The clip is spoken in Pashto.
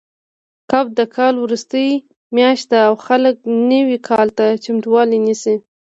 کب د کال وروستۍ میاشت ده او خلک نوي کال ته چمتووالی نیسي.